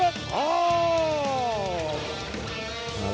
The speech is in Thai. เผ็ดยะสูงนาบรันสรรคม